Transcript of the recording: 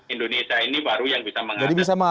indonesia ini baru yang bisa menghadapi